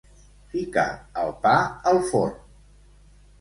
Ficar el pa al forn.